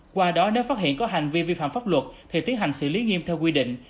qua đó nếu phát hiện có hành vi vi phạm pháp luật thì tiến hành xử lý nghiêm theo quy định